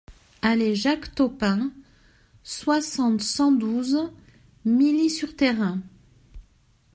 Allée Jacques Topin, soixante, cent douze Milly-sur-Thérain